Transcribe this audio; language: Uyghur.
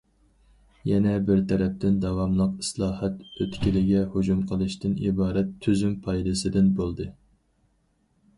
يەنە بىر تەرەپتىن داۋاملىق ئىسلاھات ئۆتكىلىگە ھۇجۇم قىلىشتىن ئىبارەت تۈزۈم پايدىسىدىن بولدى.